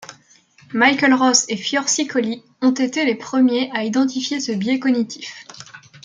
Michael Ross et Fiore Sicoly ont été les premiers à identifier ce biais cognitif.